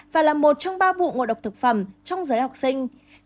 và là một trong ba vụ ngộ độc thực phẩm trong giới học sinh